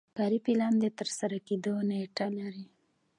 کاري پلان د ترسره کیدو نیټه لري.